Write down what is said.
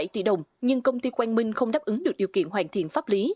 bảy tỷ đồng nhưng công ty quang minh không đáp ứng được điều kiện hoàn thiện pháp lý